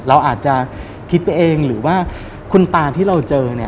เราอาจจะคิดตัวเองหรือว่าคุณตาที่เราเจอเนี่ย